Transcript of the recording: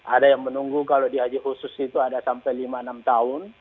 ada yang menunggu kalau di haji khusus itu ada sampai lima enam tahun